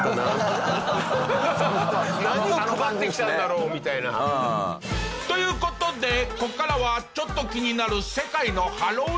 何を配ってきたんだろう？みたいな。という事でここからはちょっと気になる世界のハロウィーン事情。